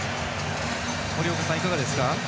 森岡さん、いかがですか？